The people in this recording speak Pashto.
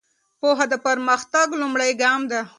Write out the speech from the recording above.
پوهه د پرمختګ لومړی ګام ده.